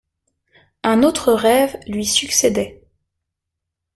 Un autre rêve lui succédait.